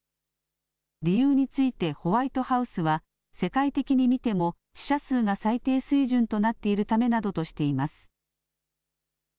理由についてホワイトハウスは世界的に見ても死者数が最低水準となっているためなどとしています。